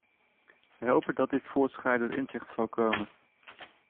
Wij hopen dat dit voortschrijdende inzicht zal komen.